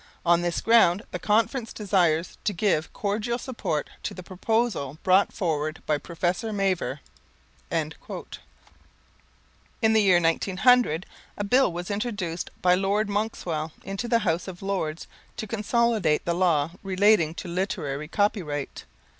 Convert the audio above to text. On this ground the Conference desires to give cordial support to the proposal brought forward by Professor Mavor." In the year 1900, a bill was introduced by Lord Monkswell into the House of Lords to consolidate the law relating to literary copyright.